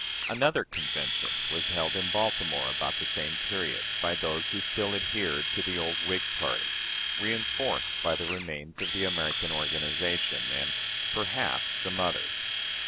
Another convention was held in Baltimore about the same period by those who still adhered to the old Whig party, reënforced by the remains of the "American" organization, and perhaps some others.